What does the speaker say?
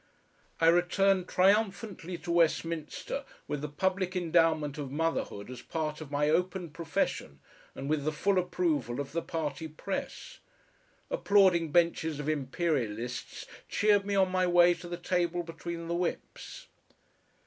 I returned triumphantly to Westminster with the Public Endowment of Motherhood as part of my open profession and with the full approval of the party press. Applauding benches of Imperialists cheered me on my way to the table between the whips.